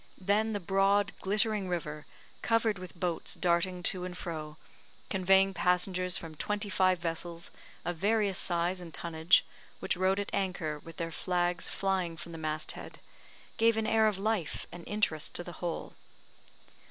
Then the broad, glittering river, covered with boats darting to and fro, conveying passengers from twenty five vessels, of various size and tonnage, which rode at anchor, with their flags flying from the mast head, gave an air of life and interest to the whole.